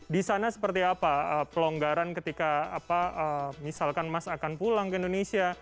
di sana seperti apa pelonggaran ketika misalkan mas akan pulang ke indonesia